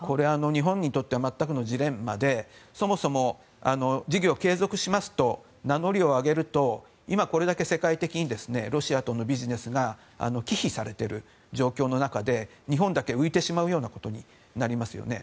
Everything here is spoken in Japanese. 日本にとっては全くのジレンマでそもそも、事業継続しますと名乗りを上げると今、これだけ世界的にロシアとのビジネスが忌避されている状況の中で日本だけ浮いてしまうようなことになりますよね。